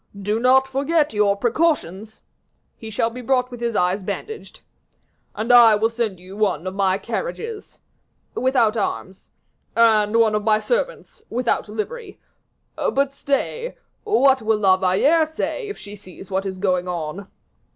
"Do not forget your precautions." "He shall be brought with his eyes bandaged." "And I will send you one of my carriages." "Without arms." "And one of my servants without livery. But stay, what will La Valliere say if she sees what is going on?"